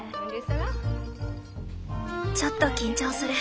ちょっと緊張する。